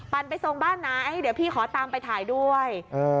ไปส่งบ้านไหนเดี๋ยวพี่ขอตามไปถ่ายด้วย